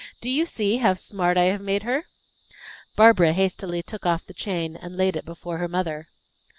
"Do you see how smart I have made her?" Barbara hastily took off the chain, and laid it before her mother.